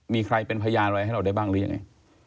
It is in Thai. มีใครเป็นพยานอะไรให้เราได้บ้างหรือยังไง